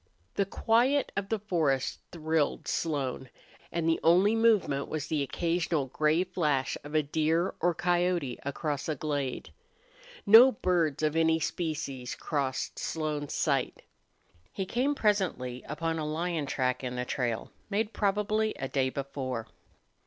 The quiet of the forest thrilled Slone. And the only movement was the occasional gray flash of a deer or coyote across a glade. No birds of any species crossed Slone's sight. He came, presently, upon a lion track in the trail, made probably a day before.